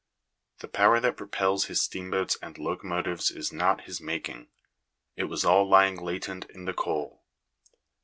The power that propels his steamboats and locomotives is not of his making ; it was all lying latent in the coal.